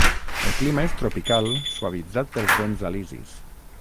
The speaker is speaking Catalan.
El clima és tropical suavitzat pels vents alisis.